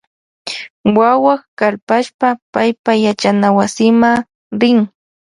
Wawak kalpashpa paypa yachanawasima rin.